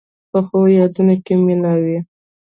پخو یادونو کې مینه وي